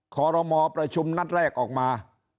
ขอรมอประชุมนัดแรกออกมา